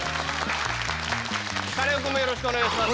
カネオくんもよろしくお願いします。